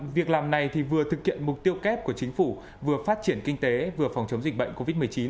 việc làm này vừa thực hiện mục tiêu kép của chính phủ vừa phát triển kinh tế vừa phòng chống dịch bệnh covid một mươi chín